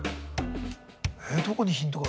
えっどこにヒントが？